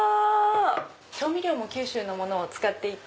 調味料も九州のもの使っていて。